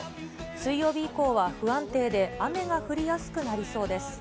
水曜日以降は不安定で、雨が降りやすくなりそうです。